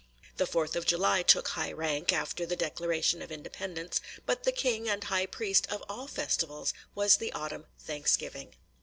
The Fourth of July took high rank, after the Declaration of Independence; but the king and high priest of all festivals was the autumn Thanksgiving.